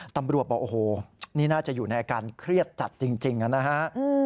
ตำรวจบอกโอ้โหนี่น่าจะอยู่ในอาการเครียดจัดจริงนะฮะ